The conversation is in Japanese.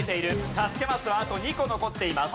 助けマスはあと２個残っています。